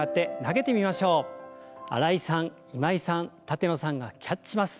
新井さん今井さん舘野さんがキャッチします。